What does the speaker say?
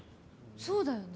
そうだよね？